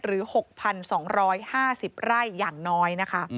หรือ๖๒๕๐ไร่อย่างน้อยนะคะ